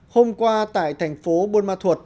hôm qua tại thành phố buôn ma thuột